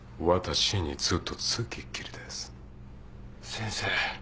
先生。